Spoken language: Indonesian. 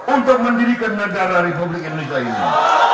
untuk mendirikan negara republik indonesia ini